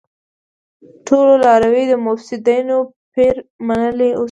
ټولو لاروی د مفسيدينو پير منلی اوس